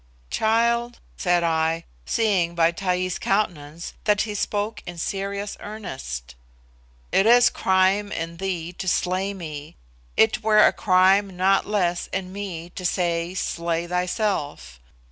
"Child," said I, seeing by Taee's countenance that he spoke in serious earnest, "it is crime in thee to slay me; it were a crime not less in me to say, 'Slay thyself.